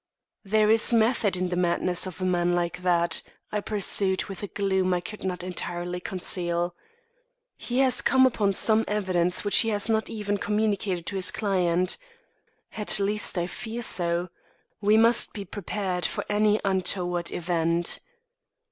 "There is method in the madness of a man like that," I pursued with a gloom I could not entirely conceal. "He has come upon some evidence which he has not even communicated to his client. At least, I fear so. We must be prepared for any untoward event."